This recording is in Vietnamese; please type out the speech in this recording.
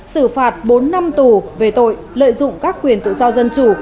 xử phạt bốn năm tù về tội lợi dụng các quyền tự do dân chủ